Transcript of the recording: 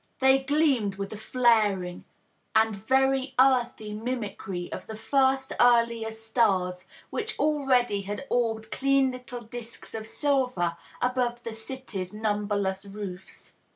They gleamed with a flaring and very earthy mimicry of the first earher stars which already had orbed clean little disks of silver above the city^s numberless roofs.